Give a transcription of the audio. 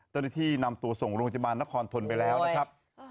เจ้าหน้าที่นำตัวส่งโรงพยาบาลนครทนไปแล้วนะครับ